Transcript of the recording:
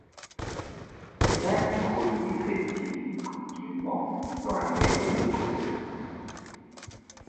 S'introduirait-il tranquillement dans la maison de Cosette?